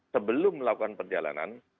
sebelum melakukan perjalanan